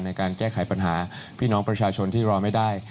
ในการแก้ไขปัญหาพี่น้องประชาชนที่รอไม่ได้